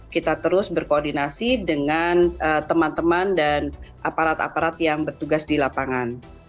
kita terus berkoordinasi dengan teman teman dan aparat aparat yang bertugas di lapangan